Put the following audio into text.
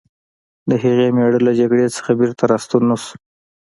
د هغې مېړه له جګړې څخه بېرته راستون نه شو